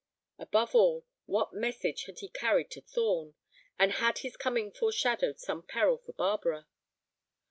Above all, what message had he carried to Thorn, and had his coming foreshadowed some peril for Barbara?